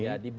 ya di b